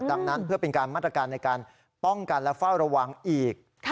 ดังนั้นเพื่อเป็นการมาตรการในการป้องกันและเฝ้าระวังอีก